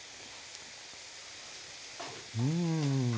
うん！